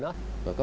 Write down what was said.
nó vụ vỗ